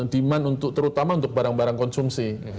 demand untuk terutama untuk barang barang konsumsi